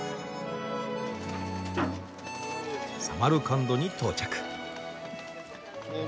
サマルカンドに到着。